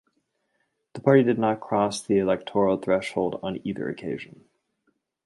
The party did not cross the electoral threshold on either occasion.